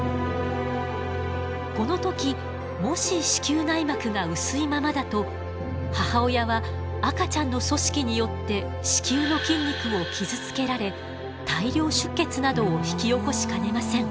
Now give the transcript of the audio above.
この時もし子宮内膜が薄いままだと母親は赤ちゃんの組織によって子宮の筋肉を傷つけられ大量出血などを引き起こしかねません。